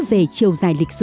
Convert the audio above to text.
về chiều dài lịch sử